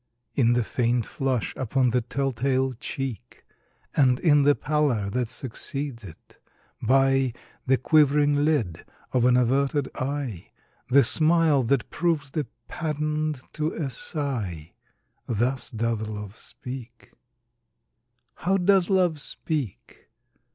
In the faint flush upon the tell tale cheek, And in the pallor that succeeds it; by The quivering lid of an averted eye The smile that proves the patent to a sigh Thus doth Love speak. How does Love speak?